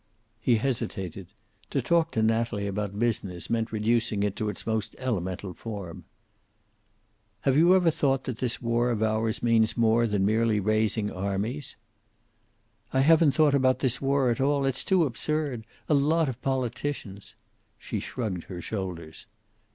He hesitated. To talk to Natalie about business meant reducing it to its most elemental form. "Have you ever thought that this war of ours means more than merely raising armies?" "I haven't thought about this war at all. It's too absurd. A lot of politicians?" She shrugged her shoulders.